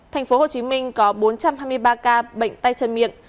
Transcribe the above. tp hcm có bốn trăm hai mươi ba ca bệnh tay chân miệng